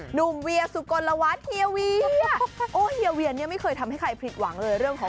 หนุ่มเวียสุกรลวันอ